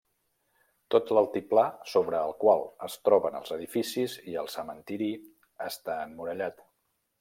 Tot l'altiplà sobre el qual es troben els edificis i el cementiri està emmurallat.